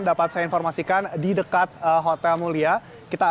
dapat saya informasikan di dekat hotel mulia